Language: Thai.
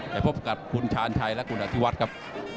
ไปพบกับคุณชาญชัยและคุณอธิวัฒน์ครับ